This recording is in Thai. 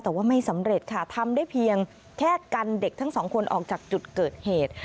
แต่ว่าไม่สำเร็จค่ะทำได้เพียงแค่กันเด็กทั้งสองคนออกจากจุดเกิดเหตุ